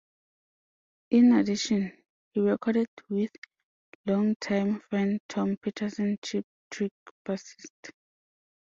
In addition, he recorded with longtime friend Tom Peterson, Cheap Trick bassist.